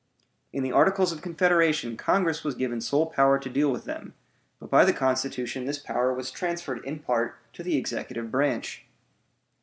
In the articles of confederation Congress was given sole power to deal with them, but by the constitution this power was transferred in part to the executive branch.